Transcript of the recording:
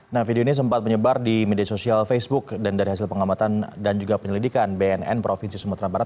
nah video ini sempat menyebar di media sosial facebook dan dari hasil pengamatan dan juga penyelidikan bnn provinsi sumatera barat